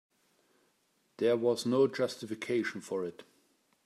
There was no justification for it.